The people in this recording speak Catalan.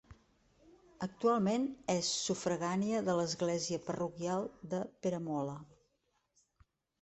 Actualment és sufragània de l'església parroquial de Peramola.